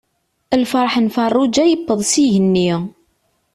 Lferḥ n Ferruǧa yewweḍ s igenni.